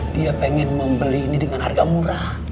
dia pengen membeli ini dengan harga murah